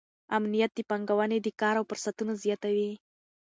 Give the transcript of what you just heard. امنیت د پانګونې او کار فرصتونه زیاتوي.